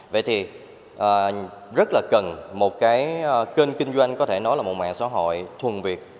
vậy thì rất là cần một cái kênh kinh doanh có thể nói là một mạng xã hội thuần việt